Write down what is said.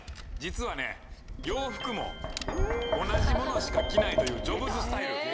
実はね洋服も同じものしか着ないというジョブズスタイル。